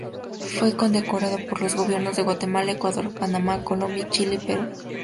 Fue condecorado por los gobiernos de Guatemala, Ecuador, Panamá, Colombia, Chile y Perú.